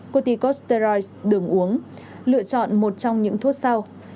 corticostery đường uống lựa chọn một trong những thuốc sau